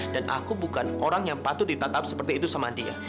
dan aku bukan orang yang patut ditatap seperti itu sama dia